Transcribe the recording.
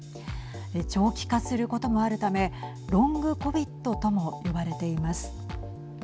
長期化することもあるためＬｏｎｇ−ＣＯＶＩＤとも呼ばれています。